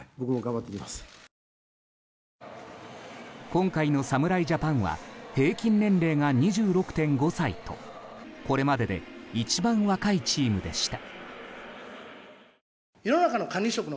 今回の侍ジャパンは平均年齢が２６．５歳とこれまでで一番若いチームでした。